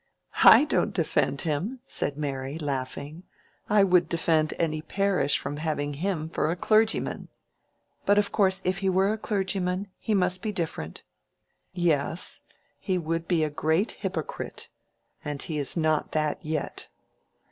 "I don't defend him," said Mary, laughing; "I would defend any parish from having him for a clergyman." "But of course if he were a clergyman, he must be different." "Yes, he would be a great hypocrite; and he is not that yet."